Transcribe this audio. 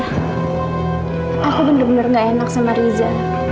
aku bener bener gak enak sama riza